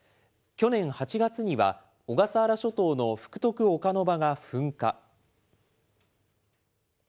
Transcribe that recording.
去年８月には、小笠原諸島の福徳岡ノ場が噴火。